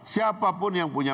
siapapun yang punya